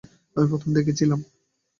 আমি প্রথম দেখেছিলাম!